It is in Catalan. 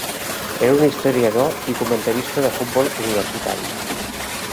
Era un historiador i comentarista de futbol universitari.